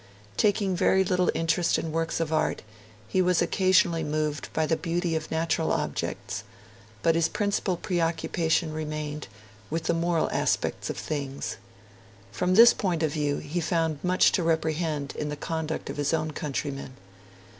Taking very little interest in works of art, he was occasionally moved by the beauty of natural objects; but his principal preoccupation remained with the moral aspects of things. From this point of view, he found much to reprehend in the conduct of his own countrymen.